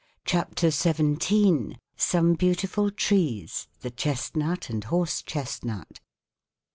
CHAPTER XVII. _SOME BEAUTIFUL TREES: THE CHESTNUT AND HORSE CHESTNUT.